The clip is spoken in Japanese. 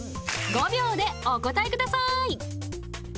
５秒でお答えください。